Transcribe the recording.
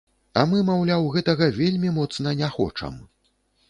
А мы, маўляў, гэтага вельмі моцна не хочам.